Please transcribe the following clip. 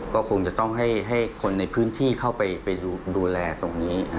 ก็คงจะต้องให้คนในพื้นที่เข้าไปดูแลตรงนี้